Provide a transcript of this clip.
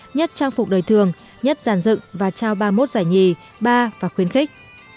nhất trang phục đời thường nhất giàn dựng và trao ba mươi một giải nhì ba và khuyến khích